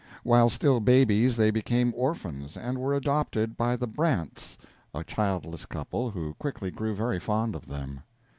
While still babies they became orphans, and were adopted by the Brants, a childless couple, who quickly grew very fond of them.